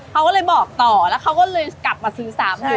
เขาก็เลยบอกต่อแล้วเขาก็เลยกลับมาซื้อ๓๐๐๐